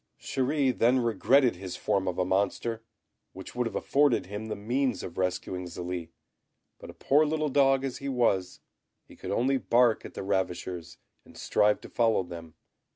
Chéri then regretted his form of a monster, which would have afforded him the means of rescuing Zélie; but a poor little dog as he was, he could only bark at the ravishers and strive to follow them.